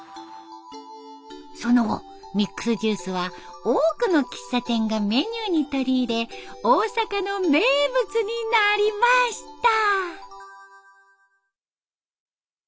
その後ミックスジュースは多くの喫茶店がメニューに取り入れ大阪の名物になりました。